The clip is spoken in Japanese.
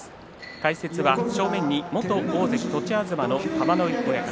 解説は正面に元大関栃東の玉ノ井親方。